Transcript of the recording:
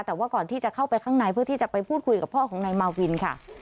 แต่ว่าก่อนที่จะเข้าไปข้างในเพื่อที่จะไปพูดคุยกับพ่อของนายมาวินค่ะ